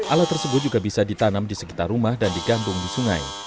alat tersebut juga bisa ditanam di sekitar rumah dan digantung di sungai